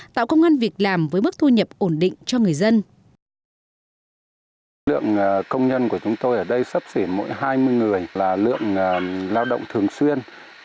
tạo công an việc làm với mức thu nhập ổn định cho người dân